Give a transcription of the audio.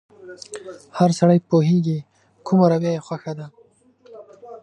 هر سړی پوهېږي کومه رويه يې خوښه ده.